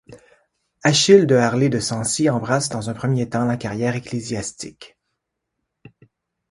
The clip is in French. Achille de Harlay de Sancy embrasse dans un premier temps la carrière ecclésiastique.